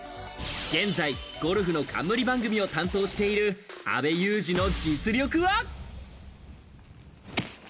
現在ゴルフの冠番組を担当している阿部祐二の実力は？